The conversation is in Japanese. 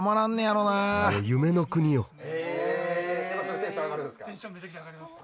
それテンション上がるんですか？